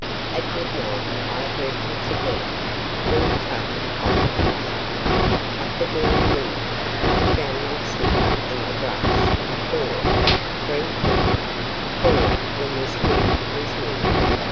At midnight I heard them together, full tongue on the trail. At the dawn wind I found them stiff in the grass four, Free People, four when this moon was new.